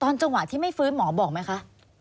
จังหวะที่ไม่ฟื้นหมอบอกไหมคะ